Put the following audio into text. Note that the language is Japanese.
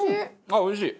あっおいしい！